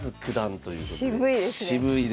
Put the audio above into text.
渋いですね。